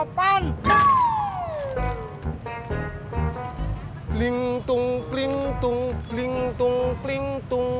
udah gak gak usah kacipin